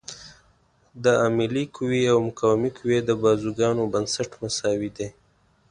د عاملې قوې او مقاومې قوې د بازوګانو نسبت مساوي دی.